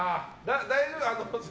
大丈夫？